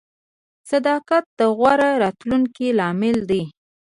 • صداقت د غوره راتلونکي لامل دی.